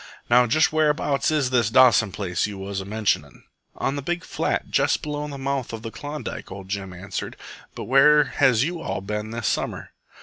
Now just whereabouts is this Dawson place you was a mentionin'?" "On the big flat jest below the mouth of Klondike," ol' Jim answered. "But where has you all ben this summer?"